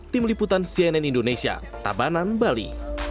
tim liputan cnn indonesia tabanan bali